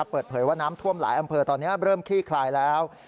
เปิดเผยว่าน้ำท่วมหลายอำเภอตอนนี้เริ่มคลี่คลายแล้ว